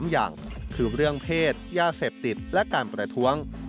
ยาเสพติดและการประท้วง